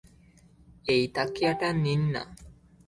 এই তাকিয়াটা নিন-না।